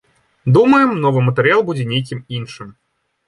Думаем, новы матэрыял будзе нейкім іншым.